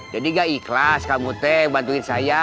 jadi gak ikhlas kamu te bantuin saya